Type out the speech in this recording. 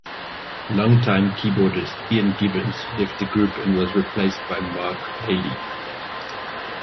Longtime keyboardist Ian Gibbons left the group and was replaced by Mark Haley.